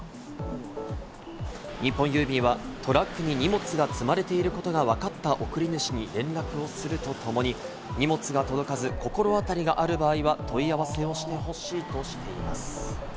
日本郵便はトラックに荷物が積まれていることがわかった送り主に連絡をするとともに、荷物が届かず心当たりがある場合は問い合わせをしてほしいとしています。